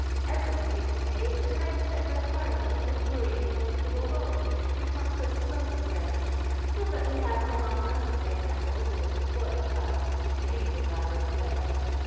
Every one takes a maid, and I'd set my heart on that nice Marie who wants to go home, and talks such lovely French. Do let me have her, Mamma!" begged Ethel, who was a spoiled child and usually got her own way.